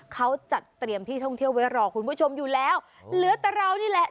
เขาจัดเตรียมที่ท่องเที่ยวไว้รอคุณผู้ชมอยู่แล้วเหลือแต่เรานี่แหละ